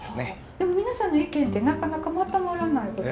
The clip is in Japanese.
でも皆さんの意見ってなかなかまとまらないとか。